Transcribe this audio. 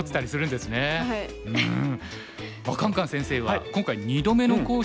カンカン先生は今回２度目の講師ですが。